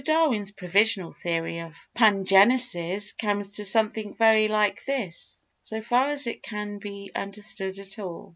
Darwin's provisional theory of pangenesis comes to something very like this, so far as it can be understood at all.